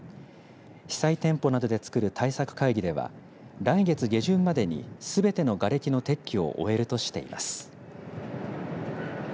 被災店舗などで作る対策会議では来月下旬までにすべてのがれきの撤去を終えるとしています。